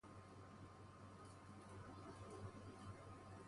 از کسی قول گرفتن